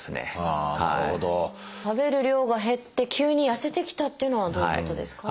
「食べる量が減って急にやせてきた」っていうのはどういうことですか？